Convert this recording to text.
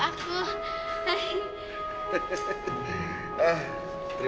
aku mau pergi